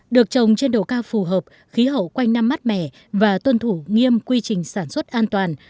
được trồng trên độ cao phù hợp khí hậu quanh năm mát mẻ và tuân thủ nghiêm quy trình sản xuất an toàn